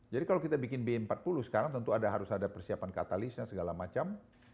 jadi kalau kita bikin b empat puluh sekarang tentu ada harus ada persiapan katalisnya segala macam